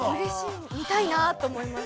◆見たいなと思います。